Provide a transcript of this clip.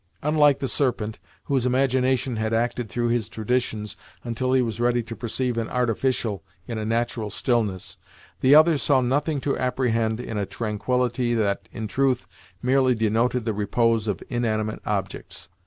Unlike the Serpent, whose imagination had acted through his traditions until he was ready to perceive an artificial, in a natural stillness, the others saw nothing to apprehend in a tranquility that, in truth, merely denoted the repose of inanimate objects.